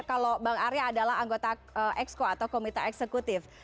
kalau bang arya adalah anggota exco atau komite eksekutif